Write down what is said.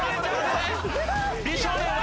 美少年は？